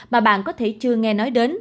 mà bạn có thể chưa nghe nói đến